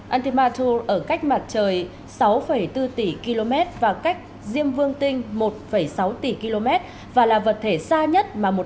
antimato ở cách mặt trời sáu bốn tỷ km và cách diêm vương tinh một sáu tỷ km và là vật thể xa nhất mà một